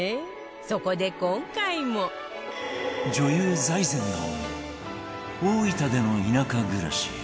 そこで、今回も女優、財前直見大分での田舎暮らし